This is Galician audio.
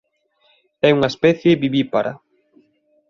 É unha especie vivípara.